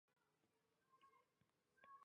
专辑取名自周杰伦最欣赏的音乐家萧邦。